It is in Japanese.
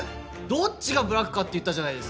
どっちがブラックかって言ったじゃないですか。